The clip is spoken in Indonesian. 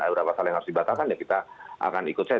eurawasal yang harus dibatalkan ya kita akan ikut saja